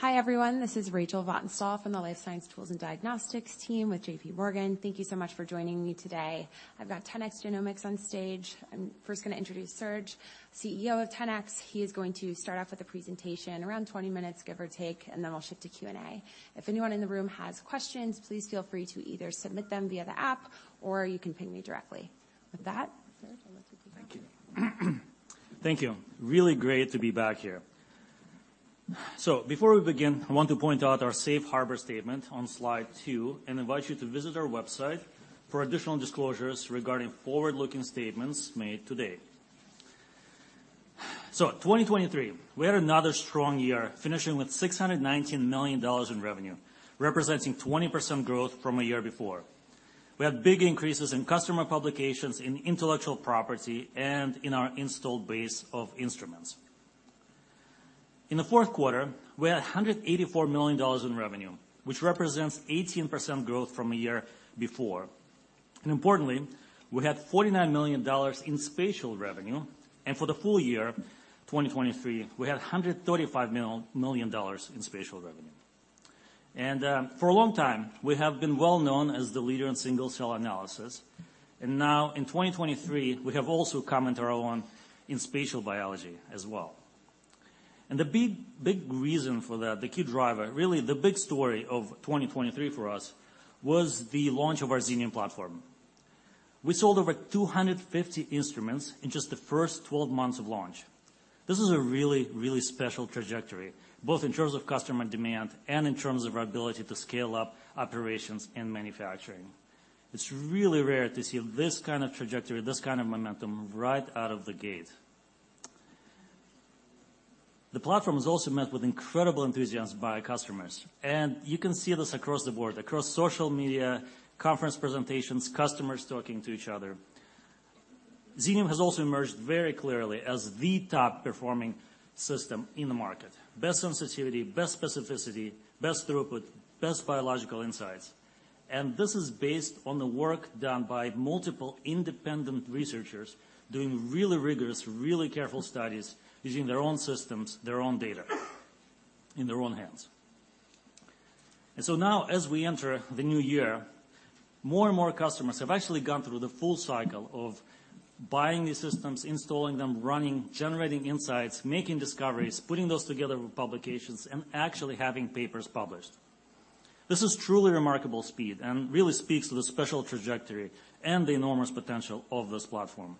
Hi, everyone. This is Rachel Vatnsdal from the Life Science Tools and Diagnostics team with JPMorgan. Thank you so much for joining me today. I've got 10x Genomics on stage. I'm first gonna introduce Serge, CEO of 10x. He is going to start off with a presentation, around 20 minutes, give or take, and then I'll shift to Q&A. If anyone in the room has questions, please feel free to either submit them via the app or you can ping me directly. With that, Serge, I'll let you begin. Thank you. Thank you. Really great to be back here. So before we begin, I want to point out our safe harbor statement on slide two and invite you to visit our website for additional disclosures regarding forward-looking statements made today. So, 2023, we had another strong year, finishing with $619 million in revenue, representing 20% growth from a year before. We had big increases in customer publications, in intellectual property, and in our installed base of instruments. In the fourth quarter, we had $184 million in revenue, which represents 18% growth from a year before. And importantly, we had $49 million in spatial revenue, and for the full year, 2023, we had $135 million in spatial revenue. For a long time, we have been well known as the leader in single-cell analysis, and now in 2023, we have also come into our own in spatial biology as well. The big, big reason for that, the key driver, really the big story of 2023 for us, was the launch of our Xenium platform. We sold over 250 instruments in just the first 12 months of launch. This is a really, really special trajectory, both in terms of customer demand and in terms of our ability to scale up operations and manufacturing. It's really rare to see this kind of trajectory, this kind of momentum, right out of the gate. The platform was also met with incredible enthusiasm by customers, and you can see this across the board, across social media, conference presentations, customers talking to each other. Xenium has also emerged very clearly as the top-performing system in the market. Best sensitivity, best specificity, best throughput, best biological insights, and this is based on the work done by multiple independent researchers doing really rigorous, really careful studies, using their own systems, their own data, in their own hands. So now, as we enter the new year, more and more customers have actually gone through the full cycle of buying these systems, installing them, running, generating insights, making discoveries, putting those together with publications, and actually having papers published. This is truly remarkable speed and really speaks to the special trajectory and the enormous potential of this platform,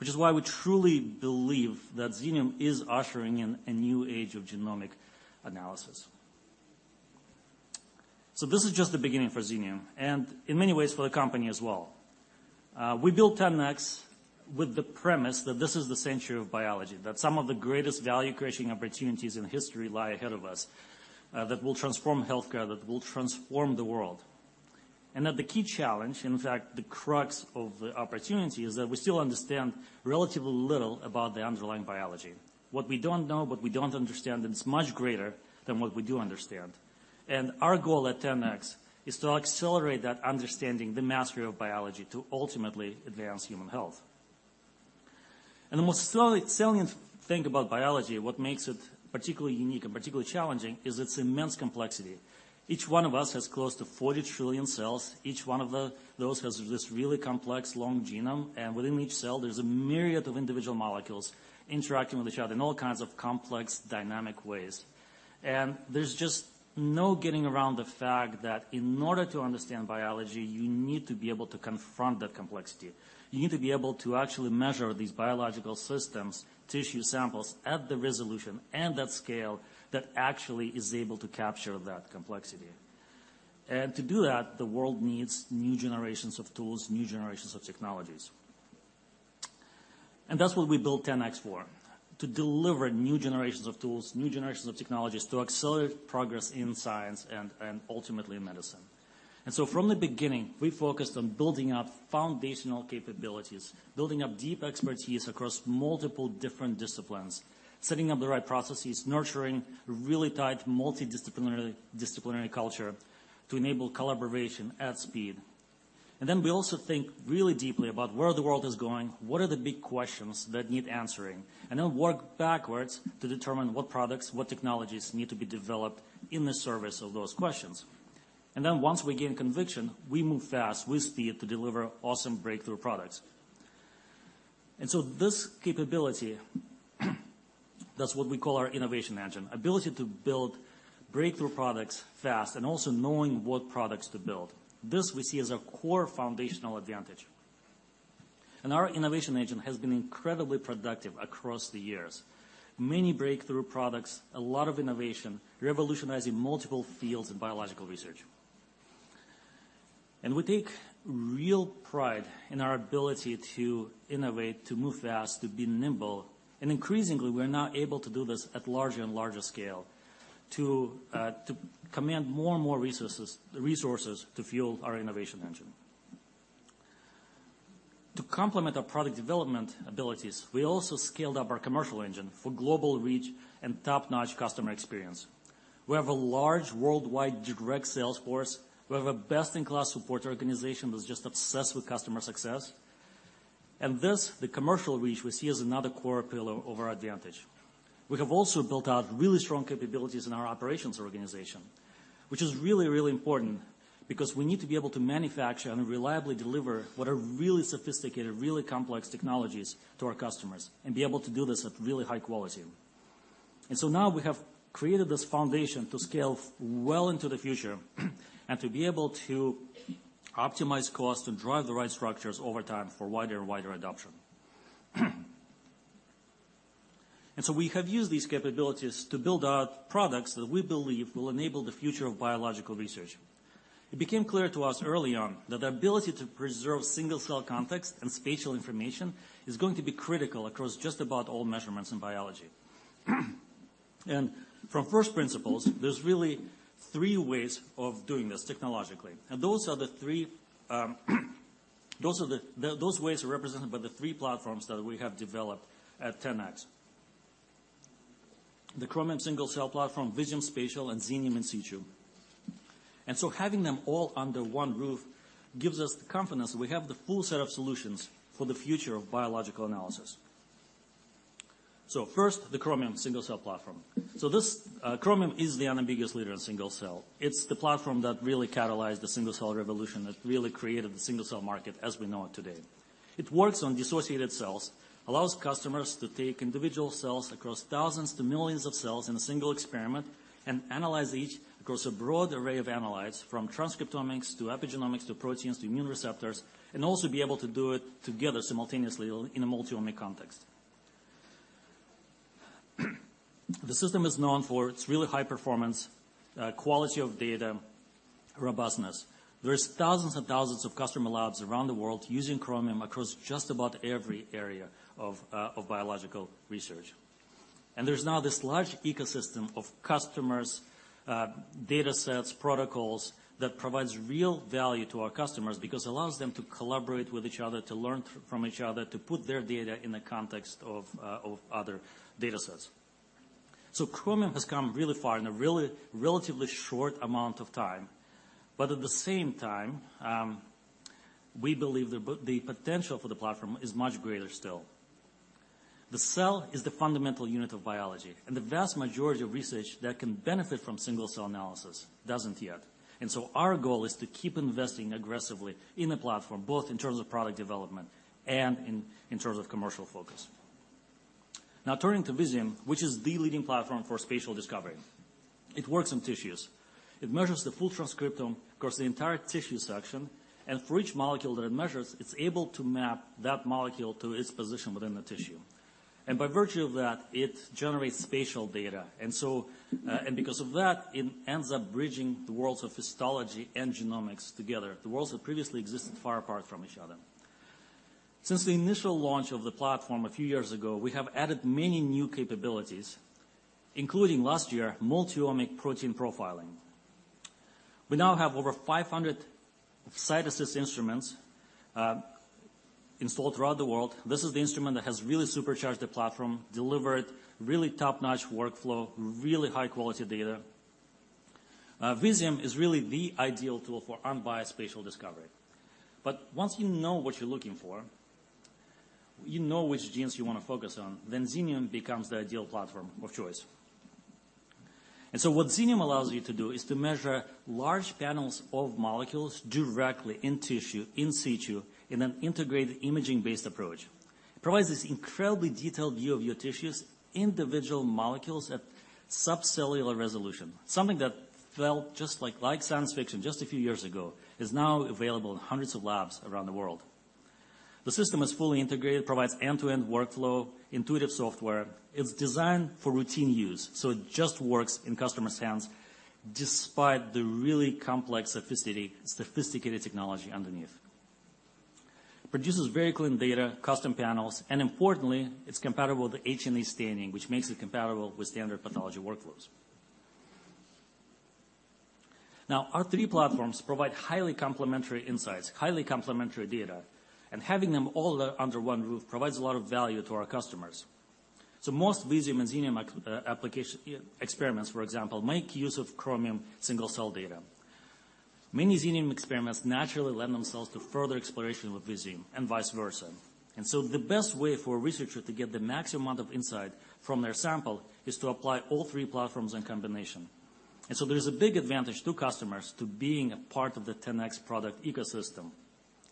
which is why we truly believe that Xenium is ushering in a new age of genomic analysis. This is just the beginning for Xenium, and in many ways for the company as well. We built 10x with the premise that this is the century of biology, that some of the greatest value-creating opportunities in history lie ahead of us, that will transform healthcare, that will transform the world. And that the key challenge, in fact, the crux of the opportunity, is that we still understand relatively little about the underlying biology. What we don't know, what we don't understand, it's much greater than what we do understand. And our goal at 10x is to accelerate that understanding, the mastery of biology, to ultimately advance human health. And the most thrilling, thrilling thing about biology, what makes it particularly unique and particularly challenging, is its immense complexity. Each one of us has close to 40 trillion cells. Each one of those has this really complex, long genome, and within each cell, there's a myriad of individual molecules interacting with each other in all kinds of complex, dynamic ways. There's just no getting around the fact that in order to understand biology, you need to be able to confront that complexity. You need to be able to actually measure these biological systems, tissue samples, at the resolution and that scale that actually is able to capture that complexity. To do that, the world needs new generations of tools, new generations of technologies. That's what we built 10x for, to deliver new generations of tools, new generations of technologies, to accelerate progress in science and ultimately in medicine. And so from the beginning, we focused on building up foundational capabilities, building up deep expertise across multiple different disciplines, setting up the right processes, nurturing a really tight, multidisciplinary, disciplinary culture to enable collaboration at speed. And then we also think really deeply about where the world is going, what are the big questions that need answering, and then work backwards to determine what products, what technologies need to be developed in the service of those questions. And then once we gain conviction, we move fast with speed to deliver awesome breakthrough products. And so this capability, that's what we call our innovation engine. Ability to build breakthrough products fast and also knowing what products to build. This we see as a core foundational advantage, and our innovation engine has been incredibly productive across the years. Many breakthrough products, a lot of innovation, revolutionizing multiple fields in biological research. We take real pride in our ability to innovate, to move fast, to be nimble, and increasingly, we're now able to do this at larger and larger scale, to, to command more and more resources, resources to fuel our innovation engine. To complement our product development abilities, we also scaled up our commercial engine for global reach and top-notch customer experience. We have a large worldwide direct sales force. We have a best-in-class support organization that's just obsessed with customer success. And this, the commercial reach, we see as another core pillar of our advantage. We have also built out really strong capabilities in our operations organization, which is really, really important because we need to be able to manufacture and reliably deliver what are really sophisticated, really complex technologies to our customers, and be able to do this at really high quality. And so now we have created this foundation to scale well into the future, and to be able to optimize costs and drive the right structures over time for wider and wider adoption. And so we have used these capabilities to build out products that we believe will enable the future of biological research. It became clear to us early on that the ability to preserve single-cell context and spatial information is going to be critical across just about all measurements in biology. And from first principles, there's really three ways of doing this technologically, and those are the three ways. Those ways are represented by the three platforms that we have developed at 10x. The Chromium Single Cell platform, Visium Spatial, and Xenium In Situ. And so having them all under one roof gives us the confidence that we have the full set of solutions for the future of biological analysis. So first, the Chromium Single Cell platform. So this, Chromium is the unambiguous leader in single-cell. It's the platform that really catalyzed the single-cell revolution, that really created the single-cell market as we know it today. It works on dissociated cells, allows customers to take individual cells across 1,000s to millions of cells in a single experiment, and analyze each across a broad array of analytes, from transcriptomics to epigenomics, to proteins, to immune receptors, and also be able to do it together simultaneously in a multi-omic context. The system is known for its really high performance, quality of data, robustness. There's 1,000s and 1,000s of customer labs around the world using Chromium across just about every area of biological research. And there's now this large ecosystem of customers' data sets, protocols, that provides real value to our customers because it allows them to collaborate with each other, to learn from each other, to put their data in the context of other data sets. So Chromium has come really far in a really relatively short amount of time, but at the same time, we believe the potential for the platform is much greater still. The cell is the fundamental unit of biology, and the vast majority of research that can benefit from single-cell analysis doesn't yet. And so our goal is to keep investing aggressively in the platform, both in terms of product development and in terms of commercial focus. Now, turning to Visium, which is the leading platform for spatial discovery. It works in tissues. It measures the full transcriptome across the entire tissue section, and for each molecule that it measures, it's able to map that molecule to its position within the tissue. And by virtue of that, it generates spatial data. And so, and because of that, it ends up bridging the worlds of histology and genomics together, the worlds that previously existed far apart from each other. Since the initial launch of the platform a few years ago, we have added many new capabilities, including last year, multi-omic protein profiling. We now have over 500 CytAssist instruments installed throughout the world. This is the instrument that has really supercharged the platform, delivered really top-notch workflow, really high-quality data. Visium is really the ideal tool for unbiased spatial discovery. But once you know what you're looking for, you know which genes you want to focus on, then Xenium becomes the ideal platform of choice. And so what Xenium allows you to do is to measure large panels of molecules directly in tissue, in situ, in an integrated, imaging-based approach. It provides this incredibly detailed view of your tissues, individual molecules at subcellular resolution. Something that felt just like science fiction just a few years ago is now available in hundreds of labs around the world. The system is fully integrated, provides end-to-end workflow, intuitive software. It's designed for routine use, so it just works in customers' hands, despite the really complex, sophisticated technology underneath. It produces very clean data, custom panels, and importantly, it's compatible with H&E staining, which makes it compatible with standard pathology workflows. Now, our three platforms provide highly complementary insights, highly complementary data, and having them all under one roof provides a lot of value to our customers. So most Visium and Xenium application experiments, for example, make use of Chromium Single-Cell data. Many Xenium experiments naturally lend themselves to further exploration with Visium and vice versa. And so the best way for a researcher to get the max amount of insight from their sample is to apply all three platforms in combination. And so there is a big advantage to customers to being a part of the 10x product ecosystem,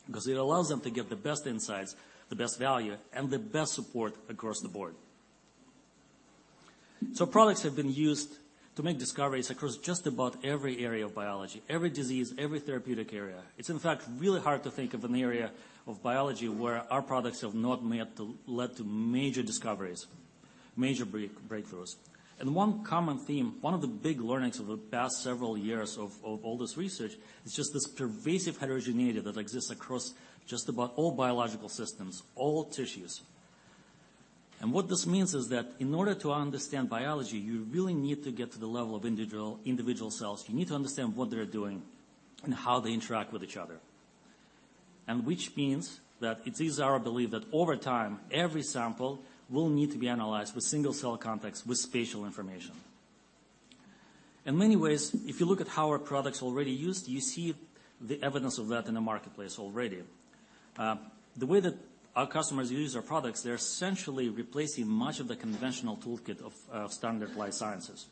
because it allows them to get the best insights, the best value, and the best support across the board. So products have been used to make discoveries across just about every area of biology, every disease, every therapeutic area. It's in fact really hard to think of an area of biology where our products have not led to major breakthroughs. And one common theme, one of the big learnings of the past several years of all this research, is just this pervasive heterogeneity that exists across just about all biological systems, all tissues. And what this means is that in order to understand biology, you really need to get to the level of individual, individual cells. You need to understand what they're doing and how they interact with each other. And which means that it is our belief that over time, every sample will need to be analyzed with single-cell context, with spatial information.... In many ways, if you look at how our product's already used, you see the evidence of that in the marketplace already. The way that our customers use our products, they're essentially replacing much of the conventional toolkit of, of standard life sciences.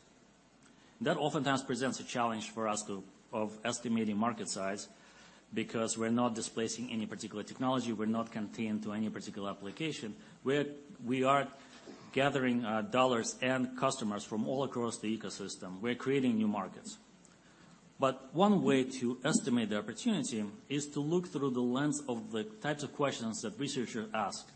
That oftentimes presents a challenge for us to of estimating market size, because we're not displacing any particular technology, we're not contained to any particular application. We are gathering dollars and customers from all across the ecosystem. We're creating new markets. But one way to estimate the opportunity is to look through the lens of the types of questions that researchers ask,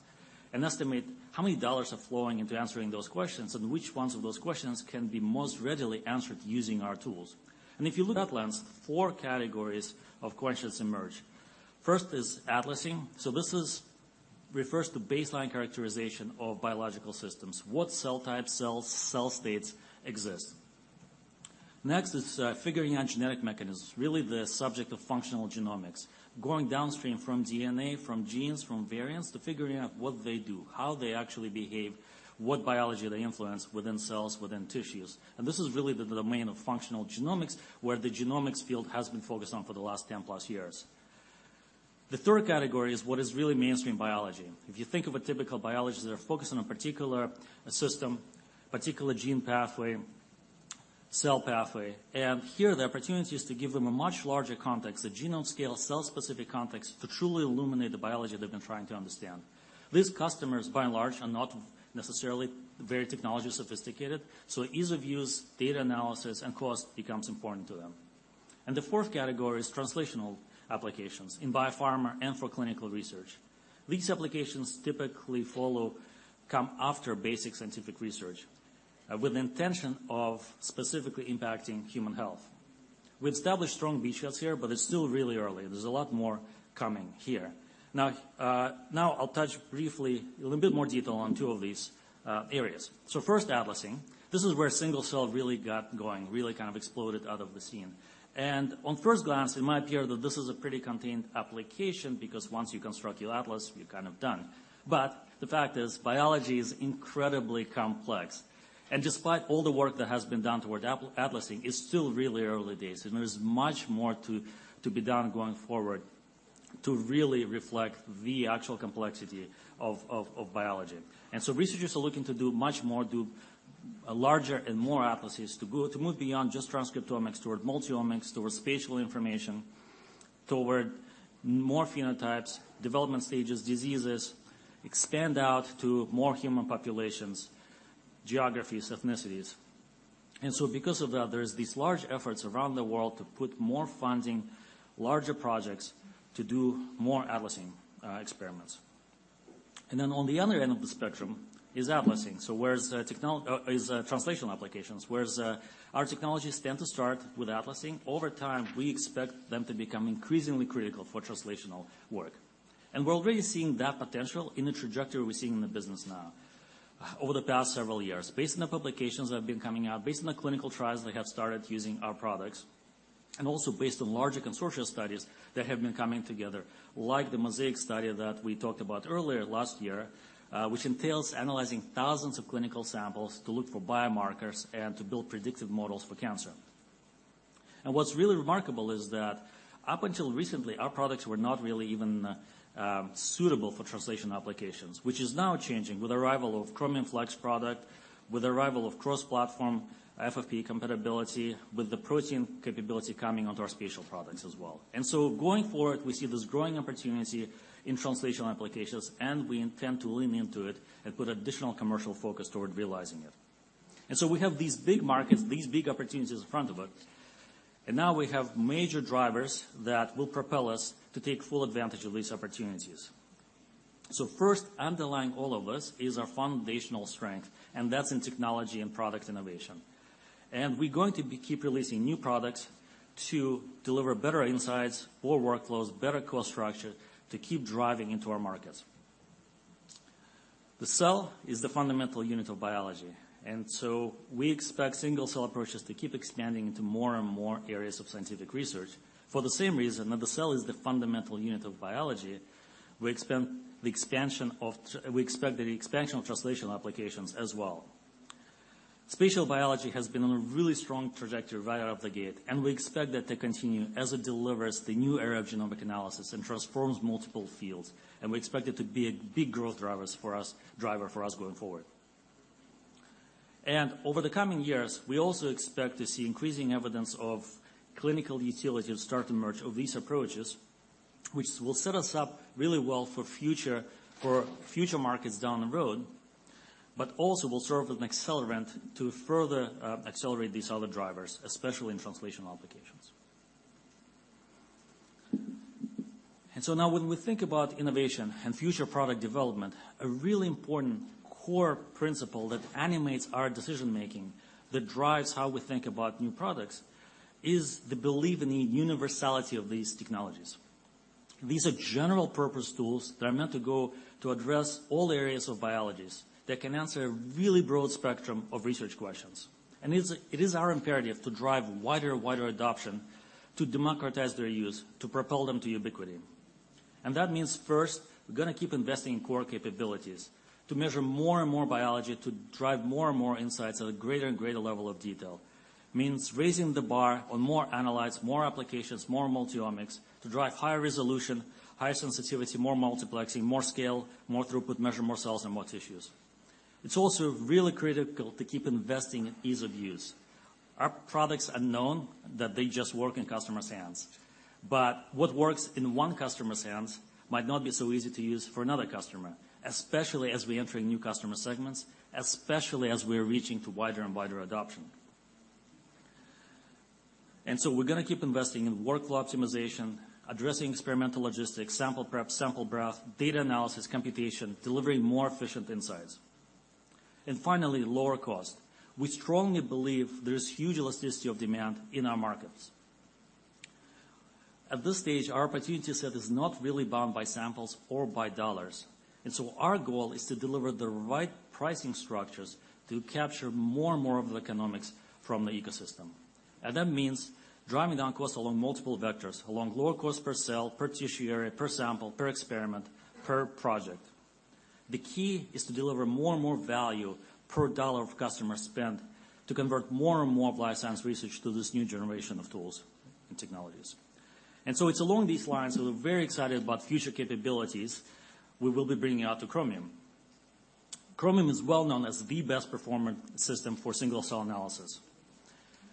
and estimate how many dollars are flowing into answering those questions, and which ones of those questions can be most readily answered using our tools. And if you look at lens, four categories of questions emerge. First is atlasing. So this refers to baseline characterization of biological systems. What cell types, cells, cell states exist? Next is figuring out genetic mechanisms, really the subject of functional genomics, going downstream from DNA, from genes, from variants, to figuring out what they do, how they actually behave, what biology they influence within cells, within tissues. This is really the domain of functional genomics, where the genomics field has been focused on for the last 10+ years. The third category is what is really mainstream biology. If you think of a typical biologist, they're focused on a particular system, particular gene pathway, cell pathway, and here the opportunity is to give them a much larger context, a genome-scale, cell-specific context, to truly illuminate the biology they've been trying to understand. These customers, by and large, are not necessarily very technology sophisticated, so ease of use, data analysis, and cost becomes important to them. And the fourth category is translational applications in biopharma and for clinical research. These applications typically come after basic scientific research, with the intention of specifically impacting human health. We've established strong beachheads here, but it's still really early. There's a lot more coming here. Now, now I'll touch briefly, in a bit more detail on two of these, areas. So first, atlasing. This is where single-cell really got going, really kind of exploded out of the scene. And on first glance, it might appear that this is a pretty contained application, because once you construct your atlas, you're kind of done. But the fact is, biology is incredibly complex, and despite all the work that has been done toward atlasing, it's still really early days, and there's much more to be done going forward to really reflect the actual complexity of biology. And so researchers are looking to do much more, do a larger and more atlases, to move beyond just transcriptomics toward multi-omics, towards spatial information, toward more phenotypes, development stages, diseases, expand out to more human populations, geographies, ethnicities. And so because of that, there's these large efforts around the world to put more funding, larger projects, to do more atlasing experiments. And then on the other end of the spectrum are translational applications. So whereas our technologies tend to start with atlasing, over time, we expect them to become increasingly critical for translational work. We're already seeing that potential in the trajectory we're seeing in the business now. Over the past several years, based on the publications that have been coming out, based on the clinical trials that have started using our products, and also based on larger consortium studies that have been coming together, like the Mosaic study that we talked about earlier last year, which entails analyzing 1,000s of clinical samples to look for biomarkers and to build predictive models for cancer. What's really remarkable is that up until recently, our products were not really even suitable for translational applications, which is now changing with the arrival of Chromium Flex product, with the arrival of cross-platform FFPE compatibility, with the protein capability coming onto our spatial products as well. And so going forward, we see this growing opportunity in translational applications, and we intend to lean into it and put additional commercial focus toward realizing it. And so we have these big markets, these big opportunities in front of us, and now we have major drivers that will propel us to take full advantage of these opportunities. So first, underlying all of this is our foundational strength, and that's in technology and product innovation. And we're going to be keep releasing new products to deliver better insights, more workflows, better cost structure, to keep driving into our markets. The cell is the fundamental unit of biology, and so we expect single-cell approaches to keep expanding into more and more areas of scientific research. For the same reason that the cell is the fundamental unit of biology, we expect the expansion of translational applications as well. Spatial biology has been on a really strong trajectory right out of the gate, and we expect that to continue as it delivers the new era of genomic analysis and transforms multiple fields, and we expect it to be a big growth driver for us going forward. Over the coming years, we also expect to see increasing evidence of clinical utility start to emerge of these approaches, which will set us up really well for future markets down the road, but also will serve as an accelerant to further accelerate these other drivers, especially in translational applications. And so now when we think about innovation and future product development, a really important core principle that animates our decision-making, that drives how we think about new products, is the belief in the universality of these technologies. These are general-purpose tools that are meant to go to address all areas of biologies, that can answer a really broad spectrum of research questions. And it's, it is our imperative to drive wider and wider adoption, to democratize their use, to propel them to ubiquity... And that means first, we're gonna keep investing in core capabilities to measure more and more biology, to drive more and more insights at a greater and greater level of detail, means raising the bar on more analytes, more applications, more multiomics to drive higher resolution, higher sensitivity, more multiplexing, more scale, more throughput, measure more cells and more tissues. It's also really critical to keep investing in ease of use. Our products are known that they just work in customers' hands, but what works in one customer's hands might not be so easy to use for another customer, especially as we enter new customer segments, especially as we are reaching to wider and wider adoption. And so we're gonna keep investing in workflow optimization, addressing experimental logistics, sample prep, sample breadth, data analysis, computation, delivering more efficient insights. And finally, lower cost. We strongly believe there is huge elasticity of demand in our markets. At this stage, our opportunity set is not really bound by samples or by dollars, and so our goal is to deliver the right pricing structures to capture more and more of the economics from the ecosystem. That means driving down costs along multiple vectors, along lower cost per cell, per tissue area, per sample, per experiment, per project. The key is to deliver more and more value per dollar of customer spend, to convert more and more of life science research to this new generation of tools and technologies. So it's along these lines that we're very excited about future capabilities we will be bringing out to Chromium. Chromium is well known as the best performing system for single-cell analysis,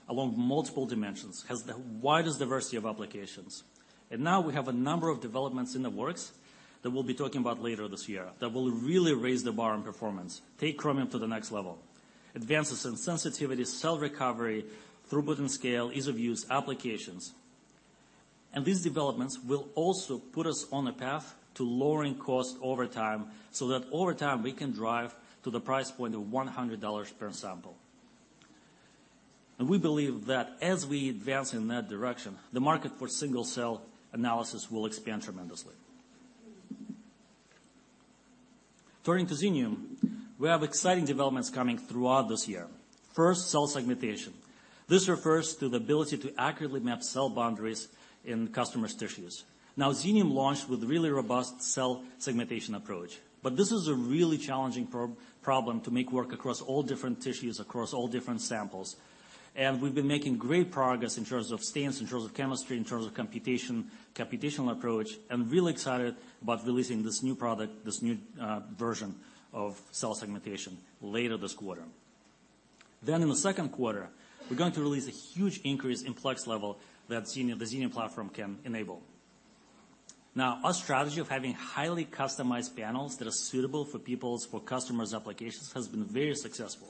along multiple dimensions, has the widest diversity of applications. Now we have a number of developments in the works that we'll be talking about later this year that will really raise the bar on performance, take Chromium to the next level, advances in sensitivity, cell recovery, throughput and scale, ease of use, applications. These developments will also put us on a path to lowering cost over time, so that over time, we can drive to the price point of $100 per sample. We believe that as we advance in that direction, the market for single-cell analysis will expand tremendously. Turning to Xenium, we have exciting developments coming throughout this year. First, cell segmentation. This refers to the ability to accurately map cell boundaries in customers' tissues. Now, Xenium launched with a really robust cell segmentation approach, but this is a really challenging problem to make work across all different tissues, across all different samples. We've been making great progress in terms of stains, in terms of chemistry, in terms of computation, computational approach, and really excited about releasing this new product, this new version of cell segmentation later this quarter. Then in the second quarter, we're going to release a huge increase in plex level that Xenium, the Xenium platform can enable. Now, our strategy of having highly customized panels that are suitable for people's, for customers' applications, has been very successful.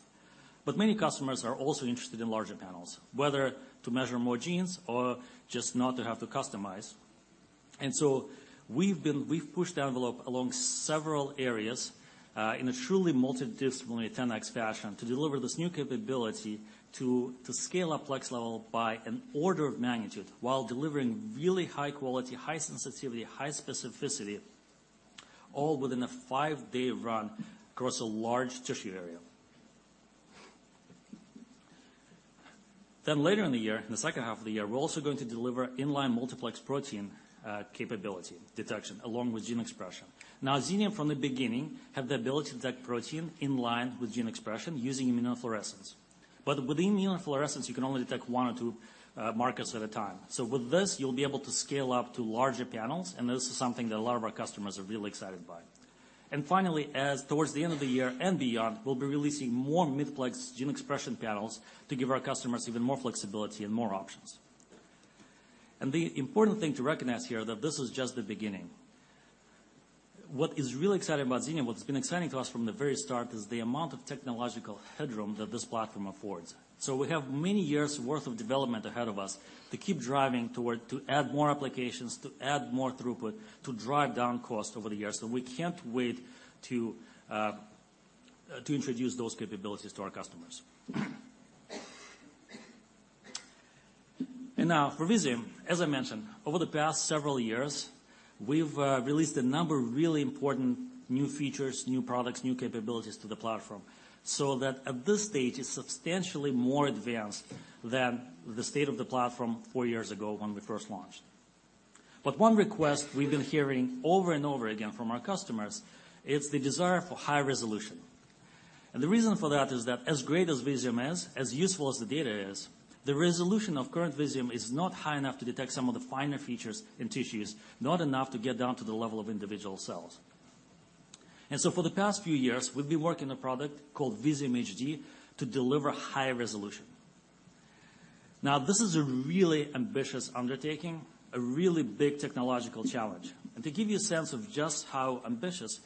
But many customers are also interested in larger panels, whether to measure more genes or just not to have to customize. And so we've pushed the envelope along several areas in a truly multidisciplinary 10x fashion, to deliver this new capability to scale up plex level by an order of magnitude while delivering really high quality, high sensitivity, high specificity, all within a five-day run across a large tissue area. Then later in the year, in the second half of the year, we're also going to deliver in-line multiplex protein capability detection along with gene expression. Now, Xenium, from the beginning, had the ability to detect protein in line with gene expression using immunofluorescence. But with immunofluorescence, you can only detect one or two markers at a time. So with this, you'll be able to scale up to larger panels, and this is something that a lot of our customers are really excited by. And finally, as towards the end of the year and beyond, we'll be releasing more multiplex gene expression panels to give our customers even more flexibility and more options. And the important thing to recognize here that this is just the beginning. What is really exciting about Xenium, what has been exciting to us from the very start, is the amount of technological headroom that this platform affords. So we have many years' worth of development ahead of us to keep driving toward, to add more applications, to add more throughput, to drive down cost over the years, and we can't wait to introduce those capabilities to our customers. And now for Visium, as I mentioned, over the past several years, we've released a number of really important new features, new products, new capabilities to the platform, so that at this stage, it's substantially more advanced than the state of the platform four years ago when we first launched. But one request we've been hearing over and over again from our customers is the desire for high resolution. And the reason for that is that as great as Visium is, as useful as the data is, the resolution of current Visium is not high enough to detect some of the finer features in tissues, not enough to get down to the level of individual cells. And so for the past few years, we've been working on a product called Visium HD to deliver high resolution. Now, this is a really ambitious undertaking, a really big technological challenge. And to give you a sense of just how ambitious,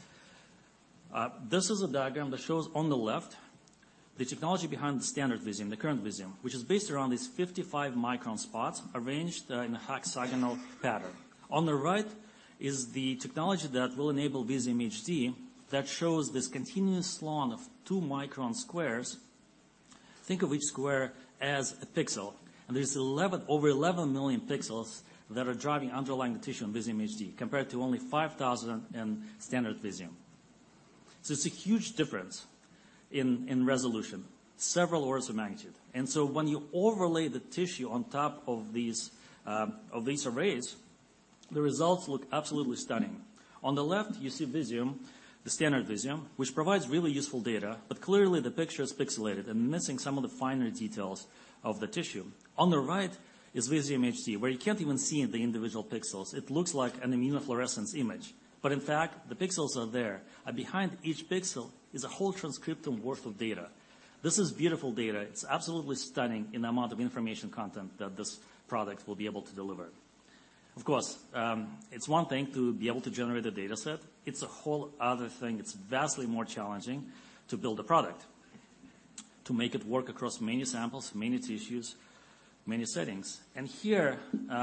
this is a diagram that shows on the left, the technology behind the standard Visium, the current Visium, which is based around these 55 micron spots arranged in a hexagonal pattern. On the right is the technology that will enable Visium HD, that shows this continuous lawn of two micron squares. Think of each square as a pixel, and there's over 11 million pixels that are driving underlying the tissue in Visium HD, compared to only 5,000 in standard Visium. So it's a huge difference in, in resolution, several orders of magnitude. And so when you overlay the tissue on top of these, of these arrays, the results look absolutely stunning. On the left, you see Visium, the standard Visium, which provides really useful data, but clearly the picture is pixelated and missing some of the finer details of the tissue. On the right is Visium HD, where you can't even see the individual pixels. It looks like an immunofluorescence image, but in fact, the pixels are there, and behind each pixel is a whole transcriptome worth of data. This is beautiful data. It's absolutely stunning in the amount of information content that this product will be able to deliver. Of course, it's one thing to be able to generate a data set. It's a whole other thing, it's vastly more challenging, to build a product, to make it work across many samples, many tissues, many settings. And here,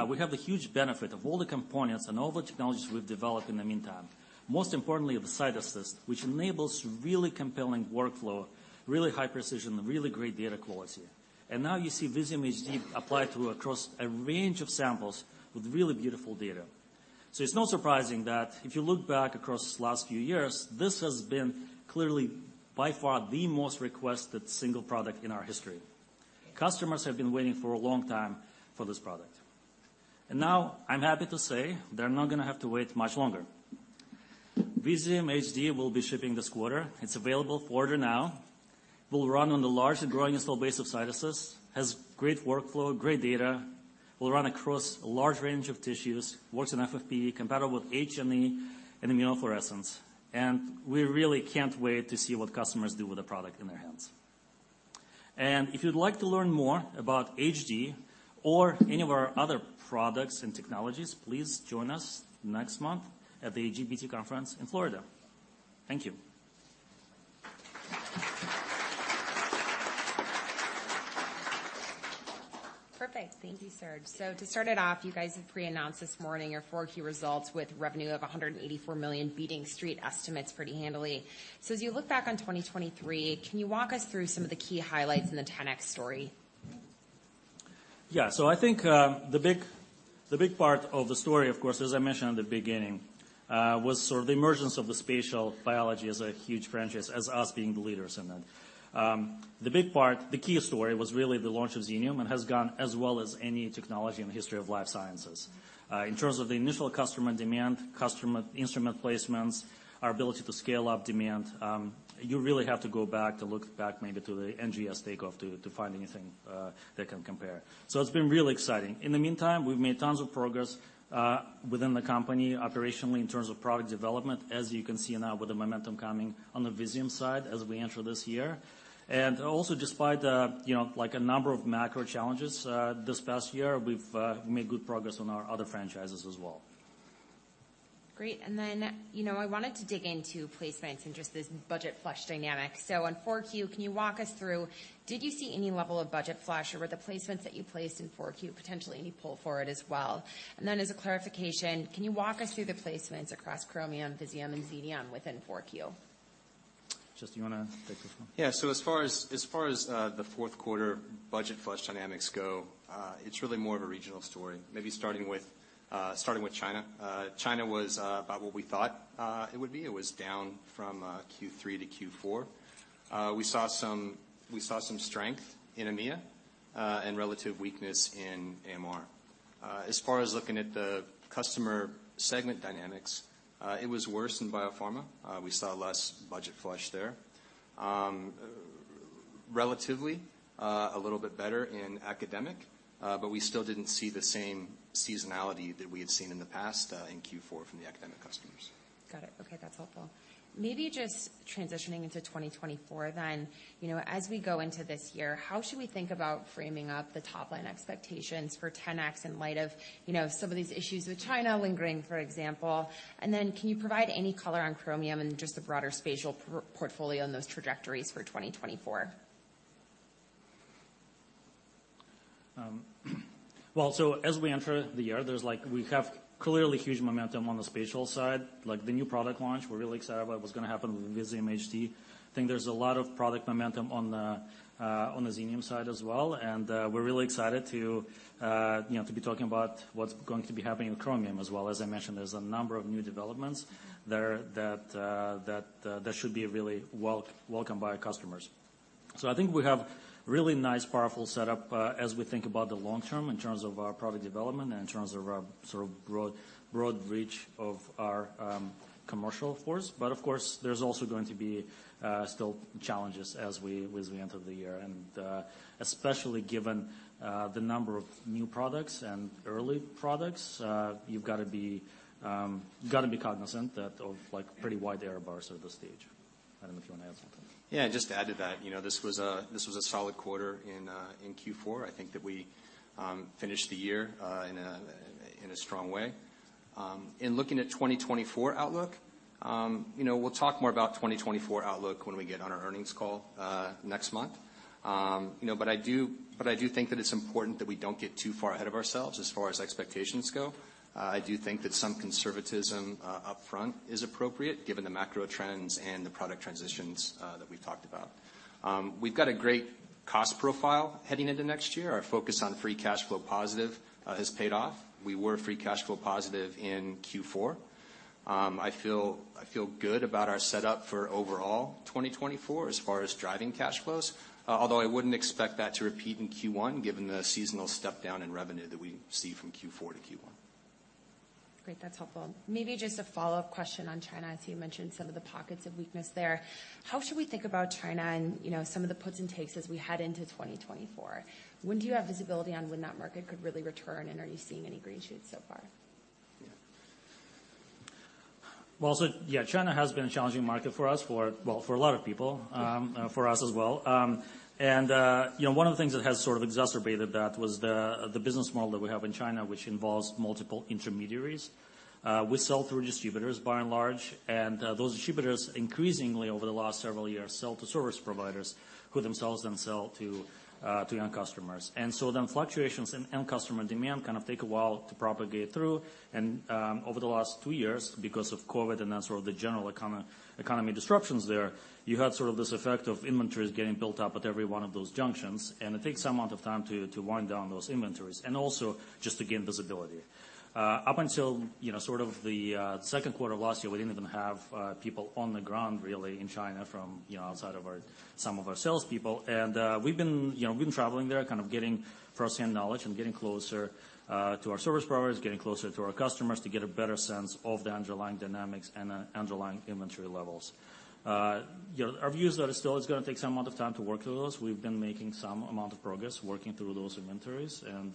we have the huge benefit of all the components and all the technologies we've developed in the meantime, most importantly, the CytAssist, which enables really compelling workflow, really high precision, and really great data quality. And now you see Visium HD applied to across a range of samples with really beautiful data. So it's not surprising that if you look back across the last few years, this has been clearly, by far, the most requested single product in our history. Customers have been waiting for a long time for this product, and now I'm happy to say they're not gonna have to wait much longer. Visium HD will be shipping this quarter. It's available for order now. Will run on the largest growing install base of CytAssist, has great workflow, great data, will run across a large range of tissues, works in FFPE, compatible with H&E and immunofluorescence, and we really can't wait to see what customers do with the product in their hands. And if you'd like to learn more about HD or any of our other products and technologies, please join us next month at the AGBT Conference in Florida. Thank you. Perfect. Thank you, Serge. To start it off, you guys have pre-announced this morning your Q4 results with revenue of $184 million, beating Street estimates pretty handily. As you look back on 2023, can you walk us through some of the key highlights in the 10x story? Yeah. So I think, the big, the big part of the story, of course, as I mentioned in the beginning, was sort of the emergence of the spatial biology as a huge franchise, as us being the leaders in it. The big part, the key story was really the launch of Xenium, and has gone as well as any technology in the history of life sciences. In terms of the initial customer demand, customer instrument placements, our ability to scale up demand, you really have to go back to look back maybe to the NGS takeoff to, to find anything, that can compare. So it's been really exciting. In the meantime, we've made tons of progress, within the company operationally, in terms of product development, as you can see now, with the momentum coming on the Visium side as we enter this year. And also, despite, you know, like, a number of macro challenges, this past year, we've made good progress on our other franchises as well. Great. Then, you know, I wanted to dig into placements and just this budget flush dynamic. So on 4Q, can you walk us through... Did you see any level of budget flush, or were the placements that you placed in 4Q potentially pull forward as well? And then as a clarification, can you walk us through the placements across Chromium, Visium, and Xenium within 4Q? Justin, you wanna take this one? Yeah. So as far as the fourth quarter budget flush dynamics go, it's really more of a regional story, maybe starting with China. China was about what we thought it would be. It was down from Q3 to Q4. We saw some strength in EMEA and relative weakness in AMR. As far as looking at the customer segment dynamics, it was worse in biopharma. We saw less budget flush there. Relatively, a little bit better in academic, but we still didn't see the same seasonality that we had seen in the past in Q4 from the academic customers. Got it. Okay, that's helpful. Maybe just transitioning into 2024 then, you know, as we go into this year, how should we think about framing up the top line expectations for 10x in light of, you know, some of these issues with China lingering, for example? And then can you provide any color on Chromium and just the broader spatial portfolio and those trajectories for 2024? Well, so as we enter the year, there's like, we have clearly huge momentum on the spatial side, like the new product launch. We're really excited about what's gonna happen with Visium HD. I think there's a lot of product momentum on the Xenium side as well, and we're really excited to, you know, to be talking about what's going to be happening in Chromium as well. As I mentioned, there's a number of new developments there that should be really welcome by our customers. So I think we have really nice, powerful setup as we think about the long term in terms of our product development and in terms of our sort of broad reach of our commercial force. But of course, there's also going to be still challenges as we enter the year. Especially given the number of new products and early products, you've gotta be, you've gotta be cognizant that of, like, pretty wide error bars at this stage. I don't know if you want to add something. Yeah, just to add to that, you know, this was a solid quarter in Q4. I think that we finished the year in a strong way. In looking at 2024 outlook, you know, we'll talk more about 2024 outlook when we get on our earnings call next month. You know, but I do think that it's important that we don't get too far ahead of ourselves as far as expectations go. I do think that some conservatism upfront is appropriate, given the macro trends and the product transitions that we've talked about. We've got a great cost profile heading into next year. Our focus on free cash flow positive has paid off. We were free cash flow positive in Q4. I feel good about our setup for overall 2024 as far as driving cash flows, although I wouldn't expect that to repeat in Q1, given the seasonal step down in revenue that we see from Q4 to Q1. Great, that's helpful. Maybe just a follow-up question on China, as you mentioned some of the pockets of weakness there. How should we think about China and, you know, some of the puts and takes as we head into 2024? When do you have visibility on when that market could really return, and are you seeing any green shoots so far? Yeah. Well, so yeah, China has been a challenging market for us, well, for a lot of people- Yeah For us as well. And, you know, one of the things that has sort of exacerbated that was the business model that we have in China, which involves multiple intermediaries. We sell through distributors, by and large, and those distributors increasingly over the last several years sell to service providers, who themselves then sell to, to end customers. And so then fluctuations in end customer demand kind of take a while to propagate through. And, over the last two years, because of COVID and then sort of the general economy disruptions there, you had sort of this effect of inventories getting built up at every one of those junctions, and it takes some amount of time to wind down those inventories and also just to gain visibility. Up until, you know, sort of the second quarter of last year, we didn't even have people on the ground really in China from, you know, outside of our, some of our salespeople. And we've been, you know, we've been traveling there, kind of getting first-hand knowledge and getting closer to our service providers, getting closer to our customers to get a better sense of the underlying dynamics and the underlying inventory levels. You know, our view is that it still is gonna take some amount of time to work through those. We've been making some amount of progress working through those inventories, and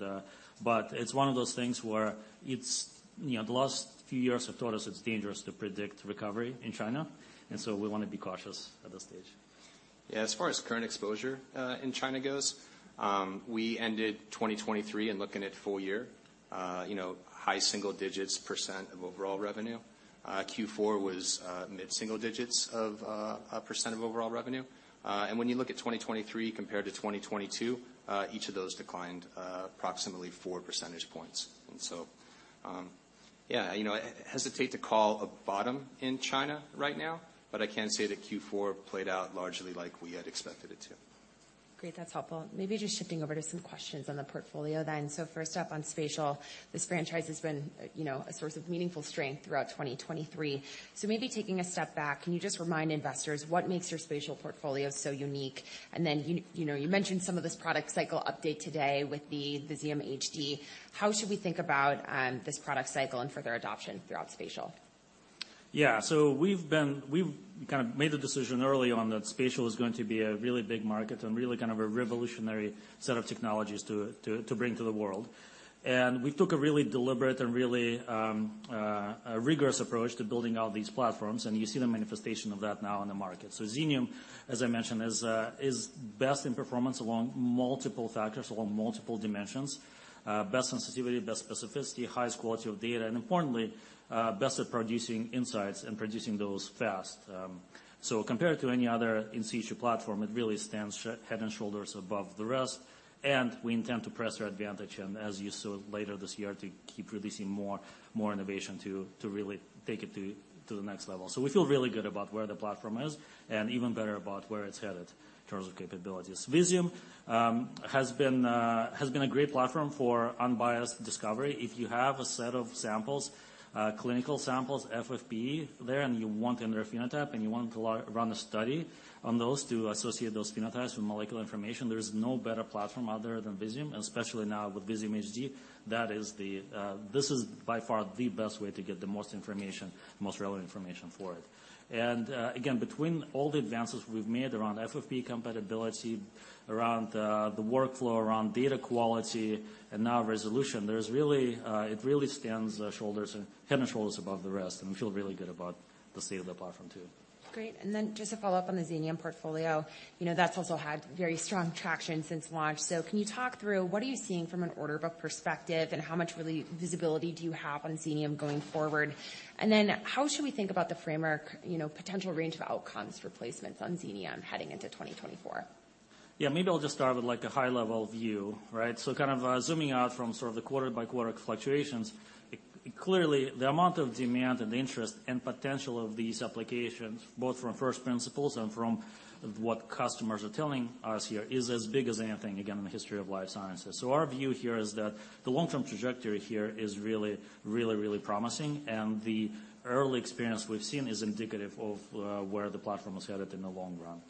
but it's one of those things where it's, you know, the last few years have taught us it's dangerous to predict recovery in China, and so we want to be cautious at this stage. Yeah, as far as current exposure in China goes, we ended 2023 and looking at full year, you know, high single digits% of overall revenue. Q4 was mid-single digits% of overall revenue. And when you look at 2023 compared to 2022, each of those declined approximately four percentage points. And so, yeah, you know, I hesitate to call a bottom in China right now, but I can say that Q4 played out largely like we had expected it to. Great. That's helpful. Maybe just shifting over to some questions on the portfolio then. So first up, on spatial, this franchise has been, you know, a source of meaningful strength throughout 2023. So maybe taking a step back, can you just remind investors what makes your spatial portfolio so unique? And then, you, you know, you mentioned some of this product cycle update today with the Xenium HD. How should we think about this product cycle and further adoption throughout spatial? Yeah. So we've kind of made the decision early on that spatial is going to be a really big market and really kind of a revolutionary set of technologies to bring to the world. And we took a really deliberate and really a rigorous approach to building out these platforms, and you see the manifestation of that now in the market. So Xenium, as I mentioned, is best in performance along multiple factors, along multiple dimensions, best sensitivity, best specificity, highest quality of data, and importantly, best at producing insights and producing those fast. So compared to any other in situ platform, it really stands head and shoulders above the rest, and we intend to press our advantage and as you saw later this year, to keep releasing more innovation to really take it to the next level. So we feel really good about where the platform is and even better about where it's headed in terms of capabilities. Visium has been a great platform for unbiased discovery. If you have a set of samples, clinical samples, FFPE there, and you want another phenotype, and you want to run a study on those to associate those phenotypes with molecular information, there is no better platform out there than Visium, and especially now with Visium HD. That is the... This is by far the best way to get the most information, the most relevant information for it. Again, between all the advances we've made around FFPE compatibility, around the workflow, around data quality, and now resolution, there's really, it really stands head and shoulders above the rest, and we feel really good about the state of the platform, too. Great. Then just to follow up on the Xenium portfolio, you know, that's also had very strong traction since launch. Can you talk through what are you seeing from an order book perspective, and how much really visibility do you have on Xenium going forward? Then how should we think about the framework, you know, potential range of outcomes for placements on Xenium heading into 2024? Yeah, maybe I'll just start with, like, a high-level view, right? So kind of, zooming out from sort of the quarter-by-quarter fluctuations, clearly, the amount of demand and interest and potential of these applications, both from first principles and from what customers are telling us here, is as big as anything, again, in the history of life sciences. So our view here is that the long-term trajectory here is really, really, really promising, and the early experience we've seen is indicative of, where the platform is headed in the long run.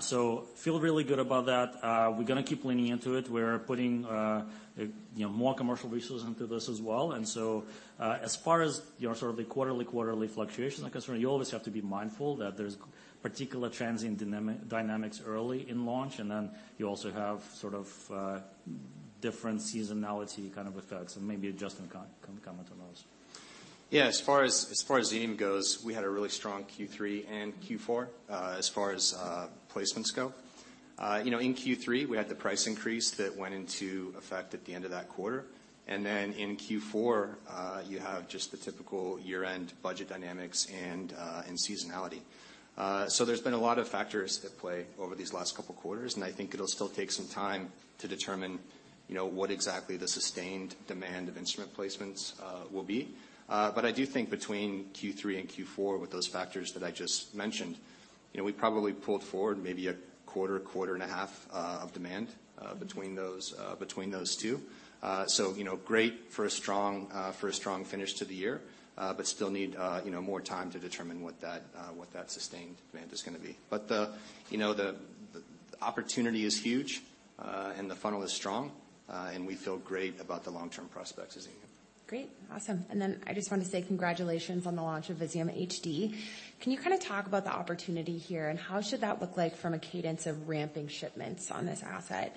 So feel really good about that. We're gonna keep leaning into it. We're putting, you know, more commercial resources into this as well. And so, as far as, you know, sort of the quarterly fluctuation are concerned, you always have to be mindful that there's particular transient dynamics early in launch, and then you also have sort of different seasonality kind of effects, and maybe Justin can comment on those. Yeah, as far as Xenium goes, we had a really strong Q3 and Q4, as far as placements go. You know, in Q3, we had the price increase that went into effect at the end of that quarter, and then in Q4, you have just the typical year-end budget dynamics and seasonality. So there's been a lot of factors at play over these last couple quarters, and I think it'll still take some time to determine, you know, what exactly the sustained demand of instrument placements will be. But I do think between Q3 and Q4, with those factors that I just mentioned- ... you know, we probably pulled forward maybe a quarter, quarter and a half, of demand between those two. So, you know, great for a strong finish to the year, but still need you know, more time to determine what that sustained demand is gonna be. But you know, the opportunity is huge, and the funnel is strong, and we feel great about the long-term prospects of Xenium. Great. Awesome. I just want to say congratulations on the launch of Visium HD. Can you kind of talk about the opportunity here, and how should that look like from a cadence of ramping shipments on this asset?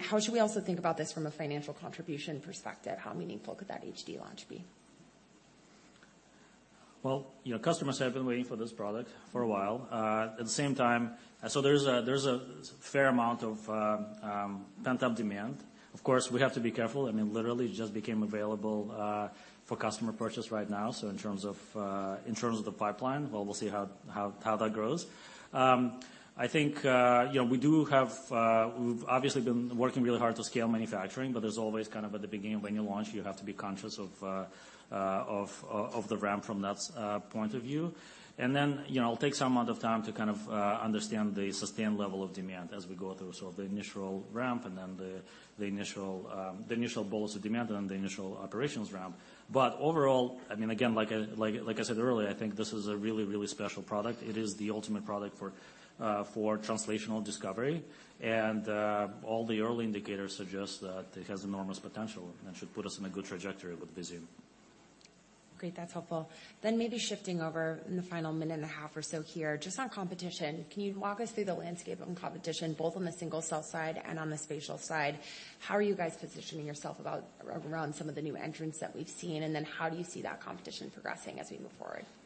How should we also think about this from a financial contribution perspective? How meaningful could that HD launch be? Well, you know, customers have been waiting for this product for a while. At the same time, there's a fair amount of pent-up demand. Of course, we have to be careful. I mean, literally, it just became available for customer purchase right now. So in terms of the pipeline, well, we'll see how that grows. I think, you know, we've obviously been working really hard to scale manufacturing, but there's always kind of at the beginning of any launch, you have to be conscious of the ramp from that point of view. And then, you know, it'll take some amount of time to kind of understand the sustained level of demand as we go through sort of the initial ramp and then the initial burst of demand and the initial operations ramp. But overall, I mean, again, like I said earlier, I think this is a really, really special product. It is the ultimate product for translational discovery, and all the early indicators suggest that it has enormous potential and should put us in a good trajectory with Visium. Great. That's helpful. Then maybe shifting over in the final one and a half minutes or so here, just on competition, can you walk us through the landscape on competition, both on the single-cell side and on the spatial side? How are you guys positioning yourself about, around some of the new entrants that we've seen, and then how do you see that competition progressing as we move forward? Yeah. So, you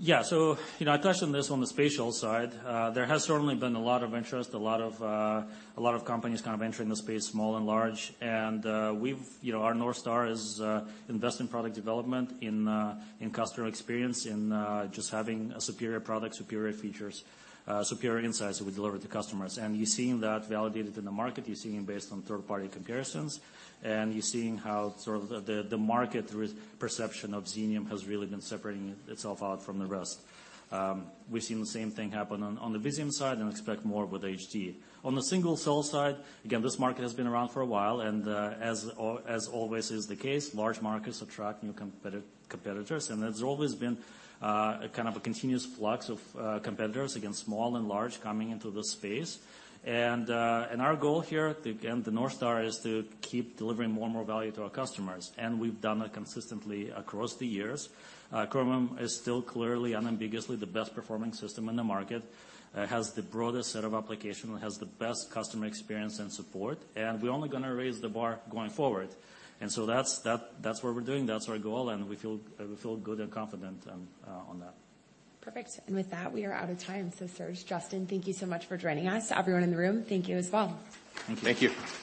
know, I touched on this on the spatial side. There has certainly been a lot of interest, a lot of companies kind of entering the space, small and large. And we've, you know, our North Star is invest in product development, in customer experience, in just having a superior product, superior features, superior insights that we deliver to customers. And you're seeing that validated in the market. You're seeing it based on third-party comparisons, and you're seeing how sort of the market perception of Xenium has really been separating itself out from the rest. We've seen the same thing happen on the Visium side and expect more with HD. On the single-cell side, again, this market has been around for a while, and, as always is the case, large markets attract new competitors, and there's always been kind of a continuous flux of competitors, again, small and large, coming into this space. And our goal here, again, the North Star, is to keep delivering more and more value to our customers, and we've done that consistently across the years. Chromium is still clearly unambiguously the best-performing system in the market, has the broadest set of application, has the best customer experience and support, and we're only gonna raise the bar going forward. And so that's what we're doing, that's our goal, and we feel good and confident on that. Perfect. With that, we are out of time. Serge, Justin, thank you so much for joining us. To everyone in the room, thank you as well. Thank you. Thank you.